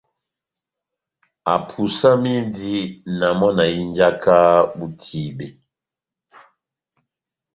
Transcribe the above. Apusamindi na mɔ́ na hínjaha ó itíbe.